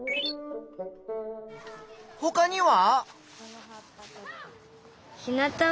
ほかには？